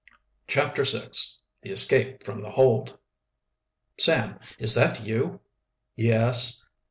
CHAPTER X. THE ESCAPE FROM THE HOLD. "Sam, is that you?" "Yes."